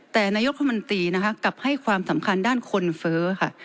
แต่นายศพมันตีกลับให้ความสำคัญด้านคนเฟ้อค่ะ